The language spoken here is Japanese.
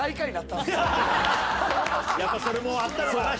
やっぱそれもあったのかな